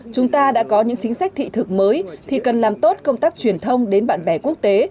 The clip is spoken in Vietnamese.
chúng ta đã có những chính sách thị thực mới thì cần làm tốt công tác truyền thông đến bạn bè quốc tế